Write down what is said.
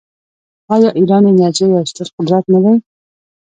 آیا ایران د انرژۍ یو ستر قدرت نه دی؟